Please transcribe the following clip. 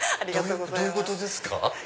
どういうことですか？